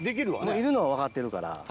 いるのは分かってるから。